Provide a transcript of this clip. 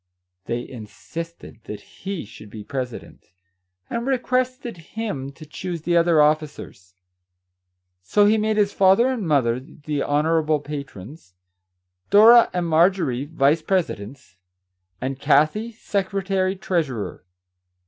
They insisted that he should be president, and requested him to choose the other officers. So he made his father and mother the honour able patrons, Dora and Marjorie vice presi dents, and Kathie secretary treasurer.